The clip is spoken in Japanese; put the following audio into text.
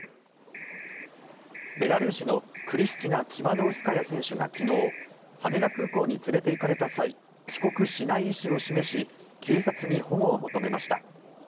ベラルーシのクリスチナ・チマノウスカヤ選手が昨日羽田空港に連れていかれた際帰国しない意思を示し警察に保護を求めました。